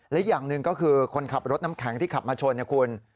และอีกอย่างหนึ่งก็คือคนขับรถน้ำแข็งที่ขับมาชนนะคุณ